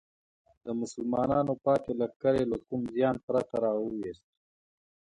د مسلمانانو پاتې لښکر یې له کوم زیان پرته راوویست.